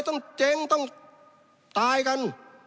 ต้องเจ๊งต้องตายกัน